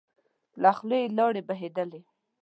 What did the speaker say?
له خولی يې لاړې بهېدلې.